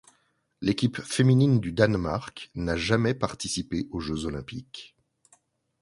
L'équipe féminine du Danemark n'a jamais participé aux Jeux Olympiques.